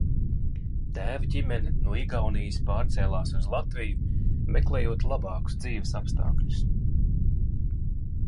Tēva ģimene no Igaunijas pārcēlās uz Latviju, meklējot labākus dzīves apstākļus.